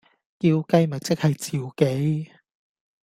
叫雞咪即係召妓